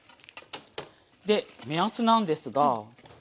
で目安なんですが。